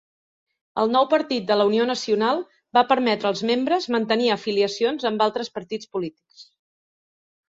El nou partit de la Unió Nacional va permetre als membres mantenir afiliacions amb altres partits polítics.